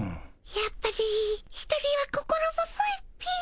やっぱり一人は心細いっピィ。